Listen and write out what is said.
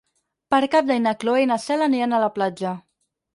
Per Cap d'Any na Cloè i na Cel aniran a la platja.